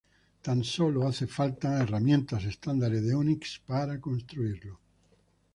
Tan solo hacen falta herramientas estándares de Unix para construirlo.